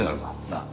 なあ？